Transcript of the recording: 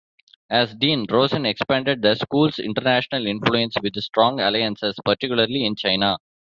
As dean, Rosen expanded the School's international influence with strong alliances, particularly in China.